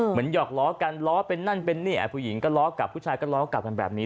หยอกล้อกันล้อเป็นนั่นเป็นนี่ผู้หญิงก็ล้อกลับผู้ชายก็ล้อกลับกันแบบนี้